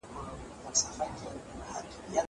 زه له سهاره تمرين کوم!!